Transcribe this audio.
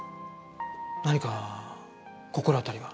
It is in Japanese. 何か心当たりは？